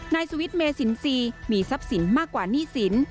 นายสวิตเมศสินมีทรัพย์สินมากกว่านี่สิน